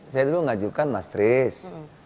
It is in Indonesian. saya dulu ngajukan mas tris